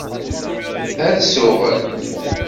Ad suɣen.